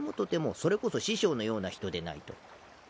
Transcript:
それこそ師匠のような人でないと。